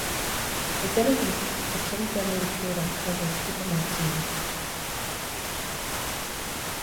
Within a week, the Kim family appeared on the cover of "People" magazine.